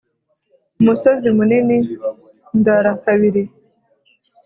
Umusozi munini ndara kabiri.